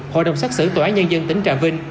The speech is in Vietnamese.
hội đồng xác xử tòa án nhân dân tỉnh trà vinh